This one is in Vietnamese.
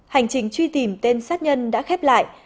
hành trình truy tìm tên sát nhân đã khép lại